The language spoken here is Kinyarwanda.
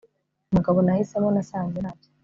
umugabo nahisemo nasanze ntabye